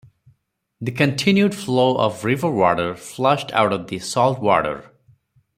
The continued flow of riverwater flushed out the saltwater.